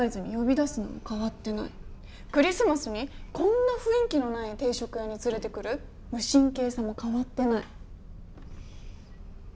クリスマスにこんな雰囲気のない定食屋に連れてくる無神経さも変わってない。